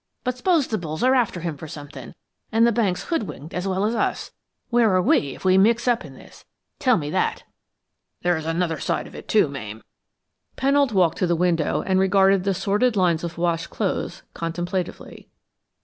But s'pose the bulls are after him for somethin', and the bank's hood winked as well as us, where are we if we mix up in this? Tell me that!" "There's another side of it, too, Mame." Pennold walked to the window, and regarded the sordid lines of washed clothes contemplatively.